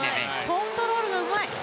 コントロールがうまい。